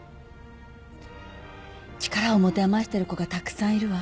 力を持て余してる子がたくさんいるわ。